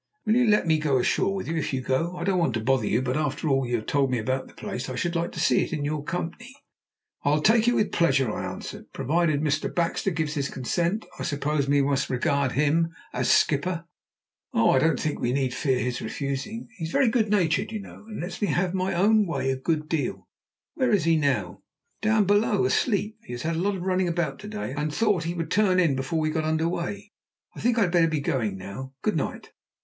"Will you let me go ashore with you if you go? I don't want to bother you, but after all you have told me about the place, I should like to see it in your company." "I'll take you with pleasure," I answered, "provided Mr. Baxter gives his consent. I suppose we must regard him as skipper." "Oh, I don't think we need fear his refusing. He is very good natured, you know, and lets me have my own way a good deal." "Where is he now?" "Down below, asleep. He has had a lot of running about to day, and thought he would turn in before we got under way. I think I had better be going now. Good night."